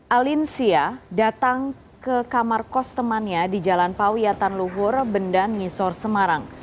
alinsia datang ke kamar kos temannya di jalan pawiatan luhur bendan ngisor semarang